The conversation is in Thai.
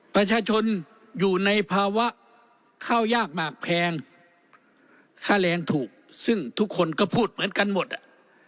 ประชาชนอยู่ในภาวะข้าวยากมากแพงค่าแรงถูกซึ่งทุกคนก็พูดเหมือนกันหมดอ่ะ